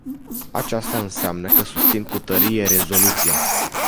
Aceasta înseamnă că susțin cu tărie rezoluția.